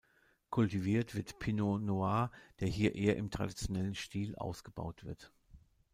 Kultiviert wird Pinot Noir, der hier eher im traditionellen Stil ausgebaut wird.